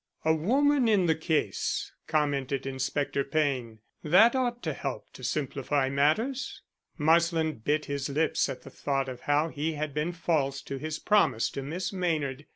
"A woman in the case," commented Inspector Payne. "That ought to help to simplify matters." Marsland bit his lips at the thought of how he had been false to his promise to Miss Maynard.